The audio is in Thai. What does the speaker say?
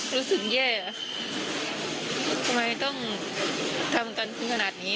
รู้สึกแย่ทำไมถึงทำตรงนี้